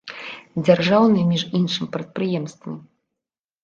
Дзяржаўныя, між іншым, прадпрыемствы!